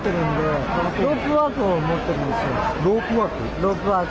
ロープワーク？